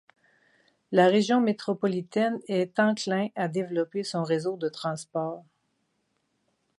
La région Métropolitaine est enclin à développer son réseau de transport.